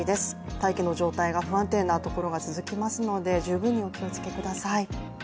大気の状態が不安定なところが続きますので十分にお気をつけください。